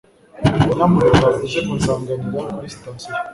Nyamuneka uze kunsanganira kuri sitasiyo.